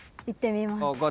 いってみます。